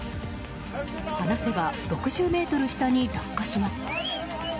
離せば６０ｍ下に落下します。